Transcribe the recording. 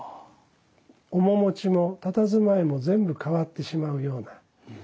面持ちもたたずまいも全部変わってしまうような。